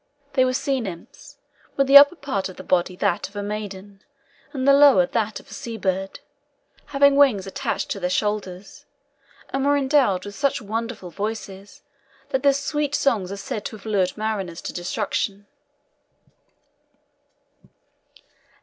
They were sea nymphs, with the upper part of the body that of a maiden and the lower that of a sea bird, having wings attached to their shoulders, and were endowed with such wonderful voices, that their sweet songs are said to have lured mariners to destruction.